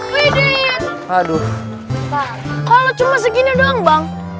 wegen aduh kalau cuma segini doang bang